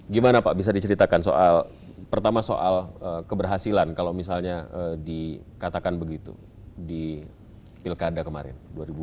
gimana pak bisa diceritakan soal pertama soal keberhasilan kalau misalnya dikatakan begitu di pilkada kemarin dua ribu dua puluh